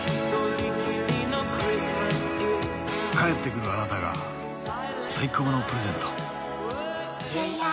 「帰ってくるあなたが最高のプレゼント」